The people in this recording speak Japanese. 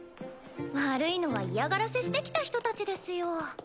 悪いのは嫌がらせしてきた人たちですよ。